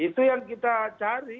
itu yang kita cari